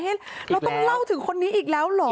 เราต้องเล่าถึงคนนี้อีกแล้วเหรอ